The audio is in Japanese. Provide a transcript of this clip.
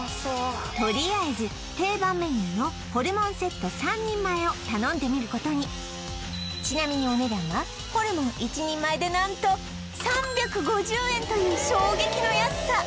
とりあえず定番メニューのホルモンセット３人前を頼んでみることにちなみにお値段はホルモン１人前で何とという衝撃の安さ